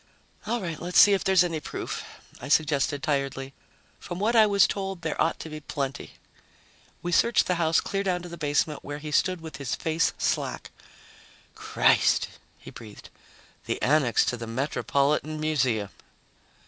"All right, let's see if there's any proof," I suggested tiredly. "From what I was told, there ought to be plenty." We searched the house clear down to the basement, where he stood with his face slack. "Christ!" he breathed. "The annex to the Metropolitan Museum!"